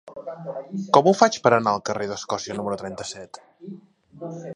Com ho faig per anar al carrer d'Escòcia número trenta-set?